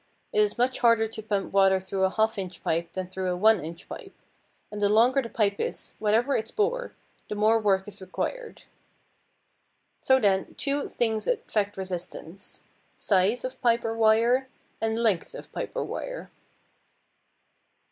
It is much harder to pump water through a half inch pipe than through a one inch pipe, and the longer the pipe is, whatever its bore, the more work is required. So then, two things affect resistance size of pipe or wire, and length of pipe or wire.